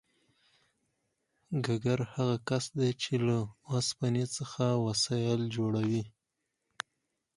ګګر هغه کس دی چې له اوسپنې څخه وسایل جوړوي